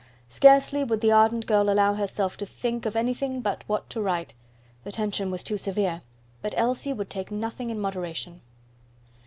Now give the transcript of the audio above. Scarcely would the ardent girl allow herself to think of anything but what to write; the tension was too severe, but Elsie would take nothing in moderation.